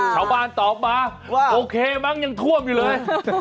ชาวบ้านตอบมาโอเคมั้งยังท่วมอยู่เลย